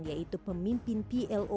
dan sekolah medo peer